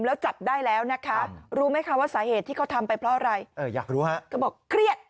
แล้วจับได้แล้วนะคะรู้ไหมคะว่าสาเหตุที่เขาทำไปเพราะอะไรเอออยากรู้ฮะเขาบอกเครียด